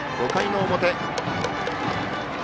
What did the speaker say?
５回の表。